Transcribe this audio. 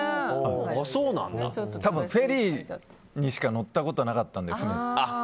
多分、フェリーにしか乗ったことがなかったんで。